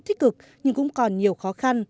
tích cực nhưng cũng còn nhiều khó khăn